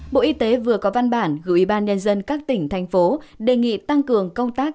bộ y tế vừa có văn bản gửi ủy ban nhân dân các tỉnh thành phố đề nghị tăng cường công tác